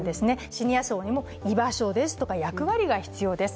シニア層にも居場所や役割が必要です。